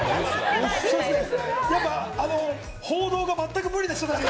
やっぱ報道が全く無理な人たちで。